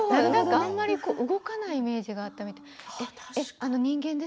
あまり動かないイメージもなかったみたいで。